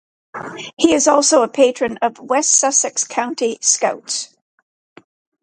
He is also patron of West Sussex County Scouts.